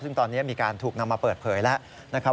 ซึ่งตอนนี้มีการถูกนำมาเปิดเผยแล้วนะครับ